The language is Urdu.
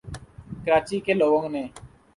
کراچی کے لوگوں نے